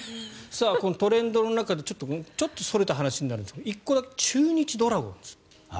トレンドの中でちょっとそれた話になるんですが１個だけ中日ドラゴンズ。